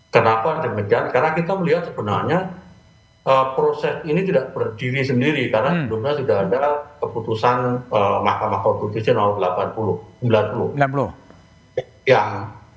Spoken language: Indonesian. karena kita melihat sebenarnya proses ini tidak berdiri sendiri karena sebenarnya sudah ada keputusan makam makam konstitusi tahun seribu sembilan ratus sembilan puluh